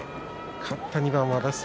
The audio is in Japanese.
勝った２番は大栄